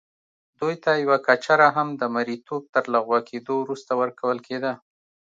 دوی ته یوه کچره هم د مریتوب تر لغوه کېدو وروسته ورکول کېده.